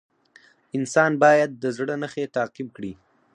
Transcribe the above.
انسان باید د زړه نښې تعقیب کړي.